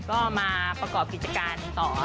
ก็มาประกอบกิจการต่อ